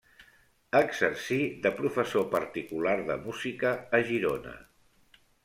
Exercí de professor particular de música a Girona.